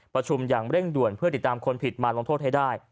ประชุมอย่างเร่งด่วนเพื่อติดตามคนผิดมาลงโทษให้ได้